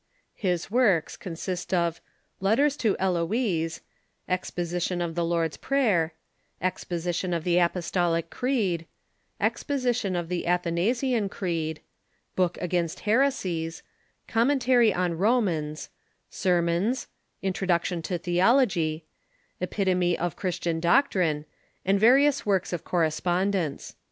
His works consist of "Letters to Heloise," "Exposition of the Lord's Prayer," " Exposition of the Apostolic Creed," "Exposition of the Atha nasian Creed," " Book against Heresies," " Commentary on Romans," " Sermons," " Introduction to Theology," " Epit ome of Christian Doctrine," and various works of correspond ence.